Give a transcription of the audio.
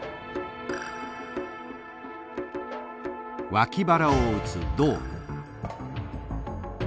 脇腹を打つ「胴」。